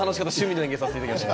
出演させていただきました。